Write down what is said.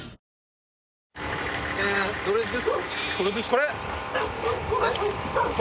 これ？